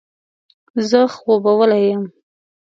زه خوبولی یم.